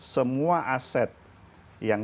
semua aset yang